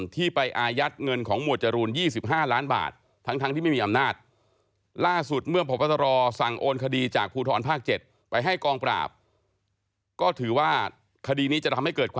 ที่ไปอายัดเงินของโมจรูล๒๕ล้านบาท